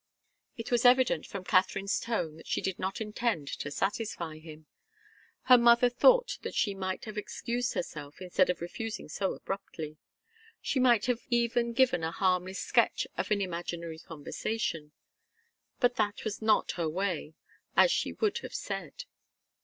It was evident from Katharine's tone that she did not intend to satisfy him. Her mother thought that she might have excused herself instead of refusing so abruptly. She might have even given a harmless sketch of an imaginary conversation. But that was not her way, as she would have said.